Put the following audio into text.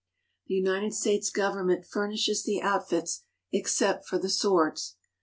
The United States Government fur nishes the outfits, except for the swords.